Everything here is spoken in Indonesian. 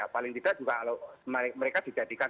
paling tidak juga kalau mereka dijadikan